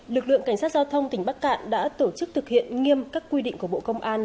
lực lượng cảnh sát giao thông tỉnh bắc cạn đã tổ chức thực hiện nghiêm các quy định của bộ công an